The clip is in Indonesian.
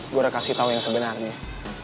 gue udah kasih tau yang sebenarnya